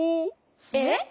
えっ？